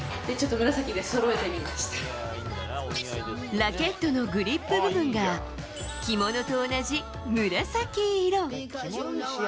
ラケットのグリップ部分が着物と同じ紫色。